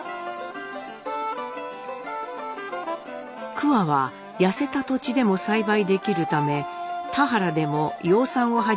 桑は痩せた土地でも栽培できるため田原でも養蚕を始める農家が続出。